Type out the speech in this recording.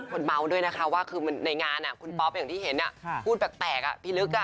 คนเมาส์ด้วยนะคะว่าคือในงานคุณป๊อปอย่างที่เห็นพูดแปลกพี่ลึก